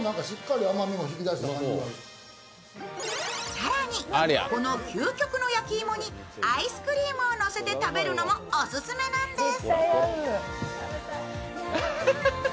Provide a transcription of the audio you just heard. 更にこの究極の焼き芋にアイスクリームをのせて食べるのもオススメなんです。